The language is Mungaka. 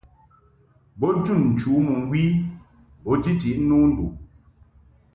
Bo jun nchǔ mɨŋgwi bo jiti no nduʼ.